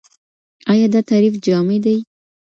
ايا دا تعريف جامع دی؟